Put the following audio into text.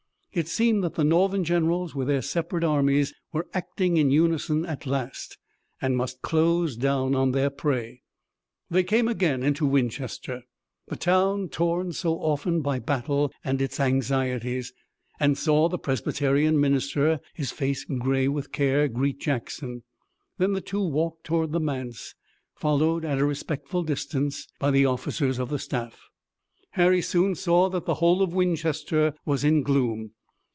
It seemed that the Northern generals with their separate armies were acting in unison at last, and must close down on their prey. They came again into Winchester, the town torn so often by battle and its anxieties, and saw the Presbyterian minister, his face gray with care, greet Jackson. Then the two walked toward the manse, followed at a respectful distance by the officers of the staff. Harry soon saw that the whole of Winchester was in gloom.